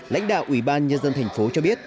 lãnh đạo ủy ban nhân dân tp hcm cho biết